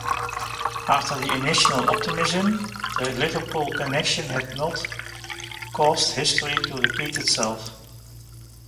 After the initial optimism, the Liverpool connection had not caused history to repeat itself.